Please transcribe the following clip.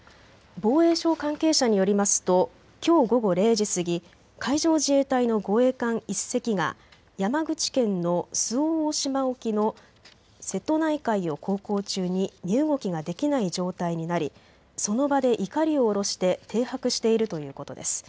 防衛省関係者によりますときょう午後０時過ぎ、海上自衛隊の護衛艦１隻が山口県の周防大島沖の瀬戸内海を航行中に身動きができない状態になり、その場でいかりを下ろして停泊しているということです。